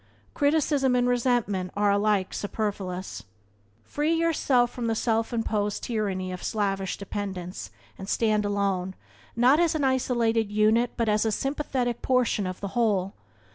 Criticism and resentment are alike superfluous. Free yourself from the self imposed tyranny of slavish dependence, and stand alone, not as an isolated unit, but as a sympathetic portion of the whole.